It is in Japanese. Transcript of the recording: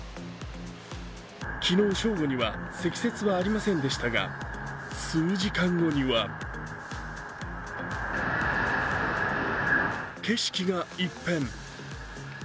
昨日正午には積雪はありませんでしたが数時間後には景色が一変。